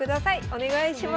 お願いします。